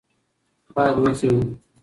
باید وڅېړو